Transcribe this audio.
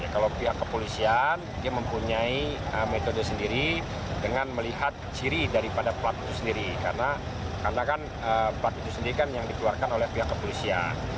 kalau pihak kepolisian dia mempunyai metode sendiri dengan melihat ciri daripada plat itu sendiri karena kan plat itu sendiri kan yang dikeluarkan oleh pihak kepolisian